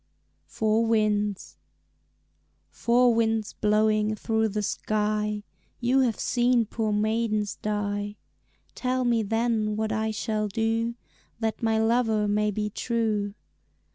Four Winds "Four winds blowing through the sky, You have seen poor maidens die, Tell me then what I shall do That my lover may be true."